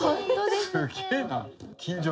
すげえな。